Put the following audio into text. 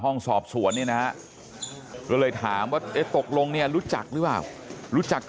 ห้องสอบสวนนี้นะเลยถามว่าตกลงเนี่ยรู้จักหรือเปล่ารู้จัก